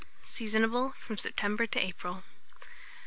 Seasonable from September to April.